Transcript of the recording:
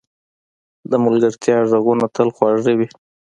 د ملګرتیا ږغونه تل خواږه وي.